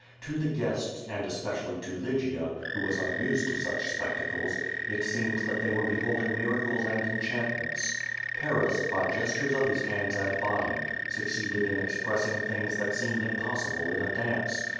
To the guests, and especially to Lygia, who was unused to such spectacles, it seemed that they were beholding miracles and enchantments. Paris, by gestures of his hands and body, succeeded in expressing things that seemed impossible in a dance.